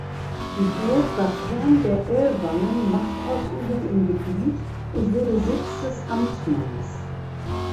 Die Burg war Kern der Ellwangen Machtausübung im Gebiet und wurde Sitz des Amtmanns.